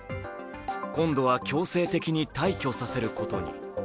今度は強制的に退去させることに。